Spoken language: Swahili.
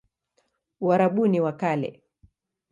Uarabuni wa Kale